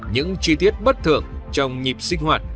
những chi tiết bất thường trong nhịp sinh hoạt